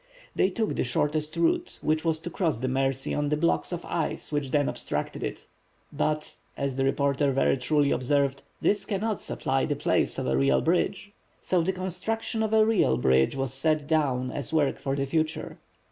They took the shortest route, which was to cross the Mercy on the blocks of ice which then obstructed it. "But," as the reporter very truly observed, "this cannot supply the place of a real bridge." So the construction of a "real" bridge was set down as work for the future.